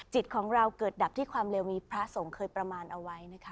จิตของเราเกิดดับที่ความเร็วมีพระสงฆ์เคยประมาณเอาไว้นะคะ